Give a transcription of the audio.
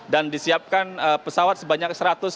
dan disiapkan pesawat sebanyak satu ratus sembilan belas